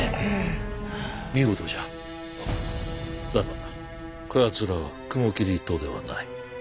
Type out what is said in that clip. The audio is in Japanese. だがこやつらは雲霧一党ではない。